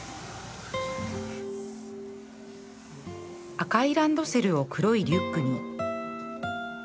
赤いランドセルを黒いリュックに